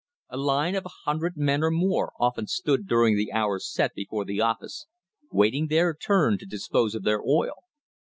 A line of a hundred men or more often stood during the hours set before the office, waiting their turn to dispose of their oil.